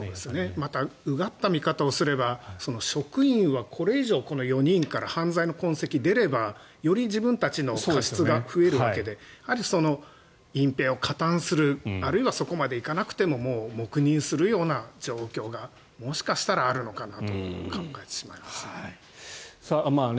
またうがった見方をすれば職員はこれ以上この４人から犯罪の痕跡が出ればより自分たちの過失が増えるわけで隠ぺいに加担するあるいはそこまで行かなくても黙認するような状況がもしかしたらあるのかなと考えてしまいますね。